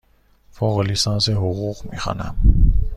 فوق لیسانس حقوق می خوانم.